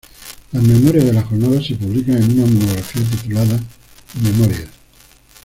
Las memorias de las Jornadas se publican en una monografía titulada "Memorias".